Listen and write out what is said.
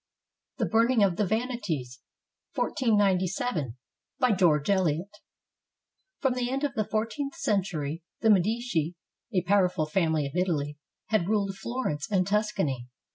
THE BURNING OF THE VANITIES BY GEORGE ELIOT [From the end of the fourteenth century, the Medici, a powerful family of Italy, had ruled Florence and Tuscany.